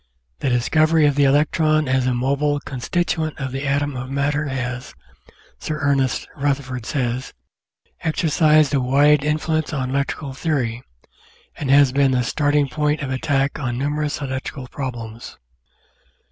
The discovery of the electron as a mobile constituent of the atom of matter has, Sir Ernest 793 794 The Outline of Science Rutherford says, exercised a wide influence on electrical theory, and has been the starting point of attack on numerous electrical problems.